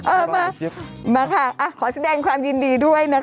เออมามาค่ะขอแสดงความยินดีด้วยนะคะ